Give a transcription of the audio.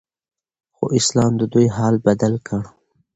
خو اسلام ددوی حال بدل کړ